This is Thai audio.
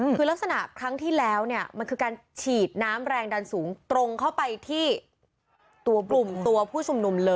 ทุรกี่ลักษณะครั้งที่แล้วคือการฉีดน้ำแรงดันสูงตรงเข้าไปที่กลุ่มผู้ชุมนุม